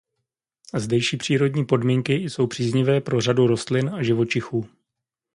Zdejší přírodní podmínky jsou příznivé pro řadu rostlin a živočichů.